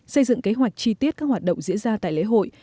xây dựng kế hoạch chi tiết các hoạt động diễn ra tại lễ hội